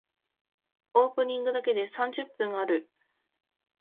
オープニングだけで三十分ある。